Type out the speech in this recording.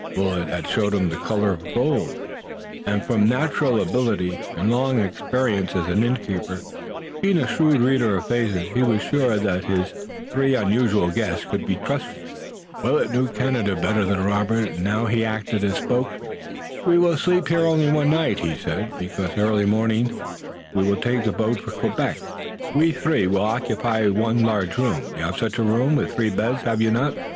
Willet had shown him the color of gold, and from natural ability and long experience as an innkeeper being a shrewd reader of faces he was sure that his three unusual guests could be trusted. Willet knew Canada better than Robert, and now he acted as spokesman. "We will sleep here only one night," he said, "because early tomorrow morning we take boat for Quebec. We three will occupy one large room. You have such a room with three beds, have you not?"